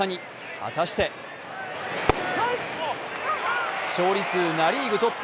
果たして勝利数ナ・リーグトップ。